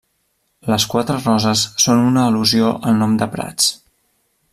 Les quatre roses són una al·lusió al nom de Prats.